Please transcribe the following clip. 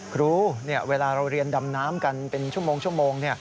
เวลาเราเรียนดำน้ำกันเป็นชั่วโมง